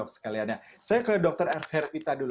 saya ke dr hervita dulu